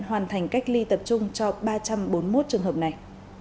hoàn thành cách ly tập trung cho ba trăm bốn mươi một trường hợp này